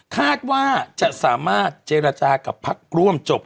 คาดว่าจะสามารถเจรจากับพักร่วมจบ